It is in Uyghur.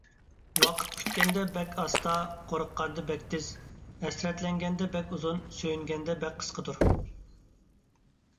ۋاقىت كۈتكەندە بەك ئاستا، قورققاندا بەك تېز، ھەسرەتلەنگەندە بەك ئۇزۇن، سۆيۈنگەندە بەك قىسقىدۇر.